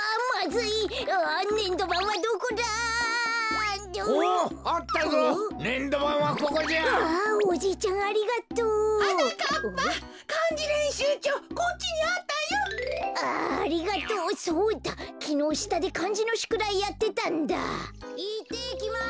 ・いってきます！